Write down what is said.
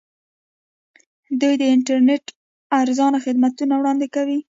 دوی د انټرنیټ ارزانه خدمتونه وړاندې کوي.